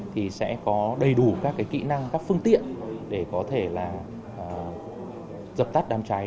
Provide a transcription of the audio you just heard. thì sẽ có đầy đủ các kỹ năng các phương tiện để có thể là dập tắt đám cháy